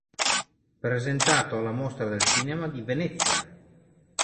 Presentato alla Mostra del Cinema di Venezia.